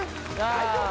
大丈夫？